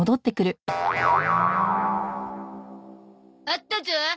あったゾ。